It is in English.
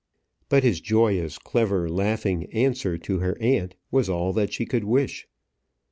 But his joyous, clever, laughing answer to her aunt was all that she could wish.